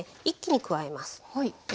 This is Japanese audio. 一気に加えます。